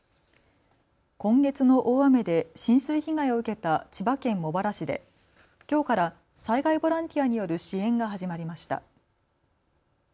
今月の大雨で浸水被害を受けた千葉県茂原市できょうから災害ボランティアによる支援が始まりました。